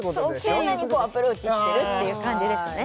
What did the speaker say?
毛穴にアプローチしてるっていう感じですね